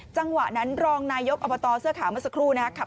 จังหวะนั้นรองนายกอบตเสื้อขาวเมื่อสักครู่นะครับ